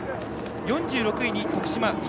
４６位に徳島北。